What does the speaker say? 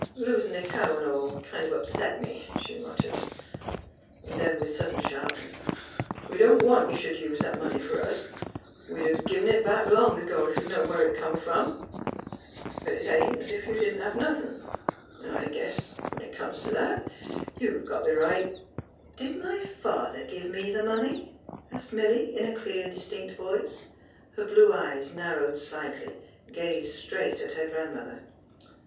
'' Losin' th' cow an' all kind o' upset me," she muttered. Then, with sudden sharpness, '' We don't want you sh'd use that money for us. We'd a gin it back long ago, if we'd knowed where it come f'om. ... But it ain't as if you didn't 110 THE HEART OF PHH^URA have nothin'. An' I guess, when it comes t' that, yon've got the right "'* Did — my father give me the money! " asked ■Milly in a clear, distinct voice. Her blue eyes, narrowed slightly, gazed straight at her grandmother.